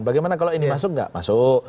bagaimana kalau ini masuk nggak masuk